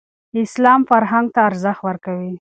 اسلام فرهنګ ته ارزښت ورکوي.